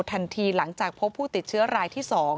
ทันทีหลังจากพบผู้ติดเชื้อรายที่๒